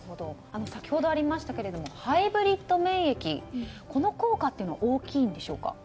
先ほどありましたがハイブリッド免疫この効果というのは大きいんでしょうか。